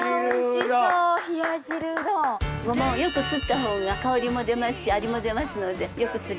ごまをよくすったほうが香りも出ますし味も出ますのでよくすります。